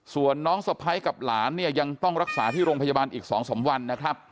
ส่วนน้องสะพ้ายกับหลานเนี่ยยังต้องรักษาที่โรงพยาบาลอีก๒๓วันนะครับ